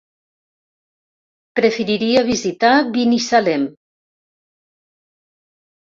Preferiria visitar Binissalem.